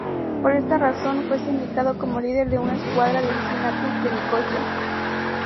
Por esta razón, fue sindicado como líder de una escuadra de asesinatos de Nicosia.